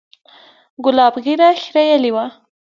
ګلاب ږيره خرييلې وه.